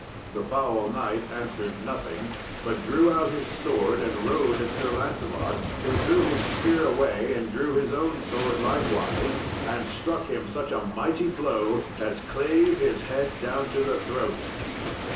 The foul knight answered nothing, but drew out his sword and rode at Sir Lancelot, who threw his spear away and drew his own sword likewise, and struck him such a mighty blow as clave his head down to the throat.